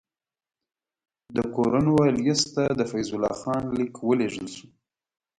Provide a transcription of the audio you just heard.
د کورنوالیس ته د فیض الله خان لیک ولېږل شو.